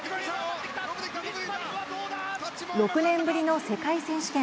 ６年ぶりの世界選手権。